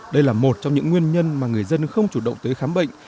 đây là một trong những nguyên nhân mà người dân không chủ động tới khám bệnh